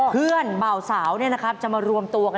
เพื่อนเบาสาวจะมารวมตัวกัน